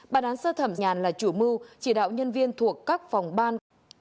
bà đán sơ thẩm nhàn là chủ mưu chỉ đạo nhân viên thuộc các phòng ban